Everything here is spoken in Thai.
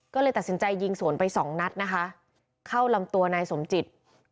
ก็เลยตัดสินใจยิงสวนไปสองนัดนะคะเข้าลำตัวนายสมจิต